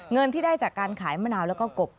เงินที่ได้จากการขายมะนาวแล้วก็กบ